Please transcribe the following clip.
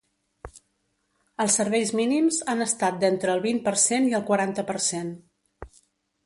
Els serveis mínims han estat d’entre el vint per cent i el quaranta per cent.